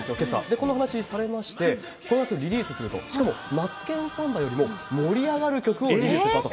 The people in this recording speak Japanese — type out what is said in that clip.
この話されまして、この夏リリースすると、しかもマツケンサンバよりも盛り上がる曲をリリースすると。